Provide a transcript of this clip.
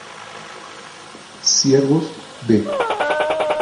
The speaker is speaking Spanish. Ciervos "B"